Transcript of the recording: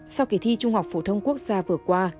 sau kỳ thi trung học phổ thông quốc gia vừa qua